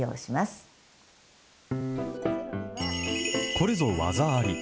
これぞ技あり。